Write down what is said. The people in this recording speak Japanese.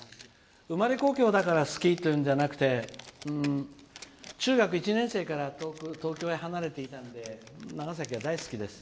生まれ故郷だから好きということではなくて中学１年生から東京へ離れていたので長崎が大好きです。